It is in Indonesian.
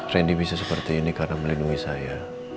randy bisa seperti ini karena melindungi saya